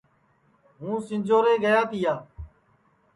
ہُوں سِنجھورے گِیا تِیا